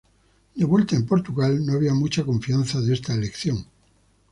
De vuelta en Portugal no había mucha confianza de esta elección.